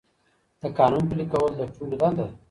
د قانون پلي کول د ټولو دنده ده.